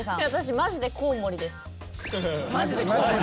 マジでコウモリです。